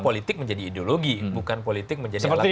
politik menjadi ideologi bukan politik menjadi alat transaksi